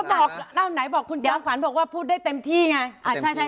บอกเล่าไหนบอกคุณจอมขวัญบอกว่าพูดได้เต็มที่ไง